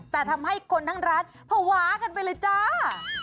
แต่ทำให้คนทั้งร้านภาวะกันไปเลยจ้า